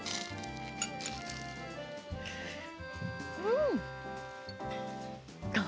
うん！